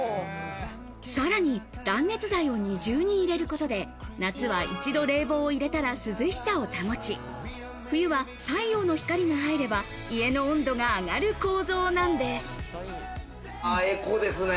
さらに断熱材を二重に入れることで、夏は一度、冷房を入れたら涼しさを保ち、冬は太陽の光が入れば、家の温度が上がるエコですね。